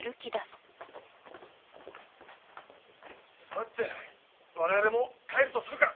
さて我々も帰るとするか。